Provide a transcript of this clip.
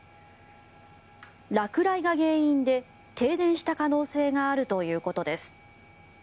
落雷が原因で停電した可能性があるということです。